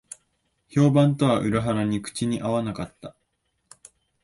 評判とは裏腹に口に合わなかった